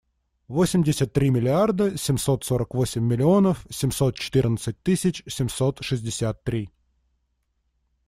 Восемьдесят три миллиарда семьсот сорок восемь миллионов семьсот четырнадцать тысяч семьсот шестьдесят три.